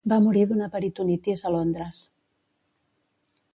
Va morir d'una peritonitis a Londres.